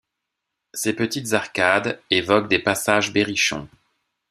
Ces petites arcades évoquent des passages berrichons.